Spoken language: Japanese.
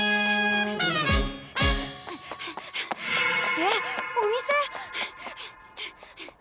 えっお店！？